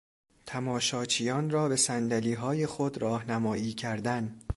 تماشاچیان را به صندلیهای خود راهنمایی کردن